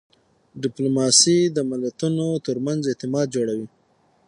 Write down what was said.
ډیپلوماسي د ملتونو ترمنځ اعتماد جوړوي.